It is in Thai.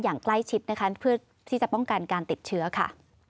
อย่างใกล้ชิดนะคะเพื่อที่จะป้องกันการติดเชื้อค่ะ